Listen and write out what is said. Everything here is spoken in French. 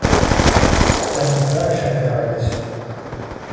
La plupart échappèrent à l'agression.